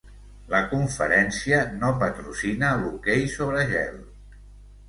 La conferència no patrocina l'hoquei sobre gel.